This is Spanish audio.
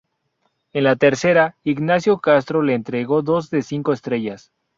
En La Tercera, Ignacio Castro le entregó dos de cinco estrellas.